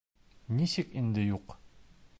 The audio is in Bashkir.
— Нисек инде юҡ?